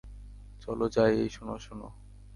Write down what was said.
চলো যাই, - এই শোনো, শোনো।